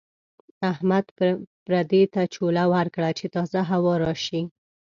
احمد پردې ته چوله ورکړه چې تازه هوا راشي.